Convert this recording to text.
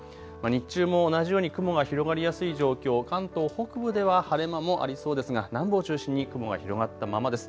日中も同じように雲が広がりやすい状況、関東北部では晴れ間もありそうですが南部を中心に雲が広がったままです。